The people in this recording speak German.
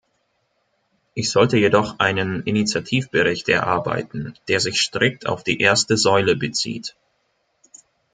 Ich sollte jedoch einen Initiativbereicht erarbeiten, der sich strikt auf die erste Säule bezieht.